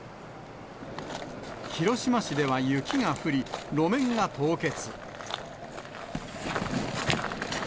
広島市では雪が降り、路面が凍結。